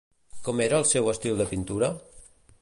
Com era el seu estil de pintura?